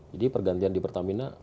jadi pergantian di pertamina